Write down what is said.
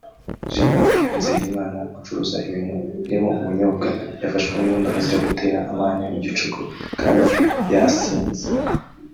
Gilbert Nzeyimana ucuruza ibintu birimo ubunyobwa yafashwe n’irondo azira gutera amahane mu gicuku kandi yasinze